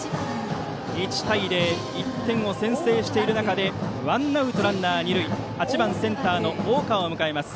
１対０、１点を先制している中でワンアウトランナー、二塁で８番センターの大川を迎えます。